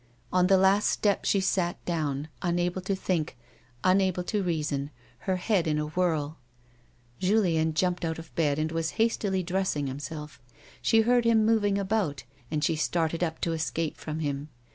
On the last step she sat down, unable to think, unable to reason, her head in a whirl. Julien had jumped out of bed, and was hastily dressing himself. She heard him moving lOG A WOMAN'S LIFE. about, and she started up to escape from him.